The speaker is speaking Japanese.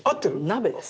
鍋です。